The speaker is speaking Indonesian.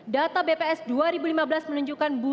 data bps dua ribu lima belas menunjukkan